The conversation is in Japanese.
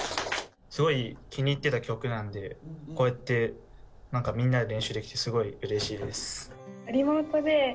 すごい気に入ってた曲なんでこうやって何かみんなで練習できてすごいうれしいです。